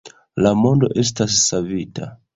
La mondo estas savita